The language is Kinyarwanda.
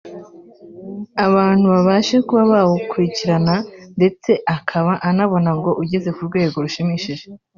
abantu babashe kuba bawukurikirana ndetse akaba anabona ngo ugeze ku rwego rushimishije